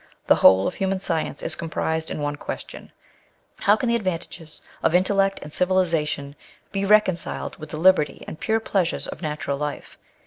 Tbe wbole of buman science is comprised in one question â How can tbe advan tages of intellect and civilisation be reconciled witb tbe liberty and pure pleasures of natural life!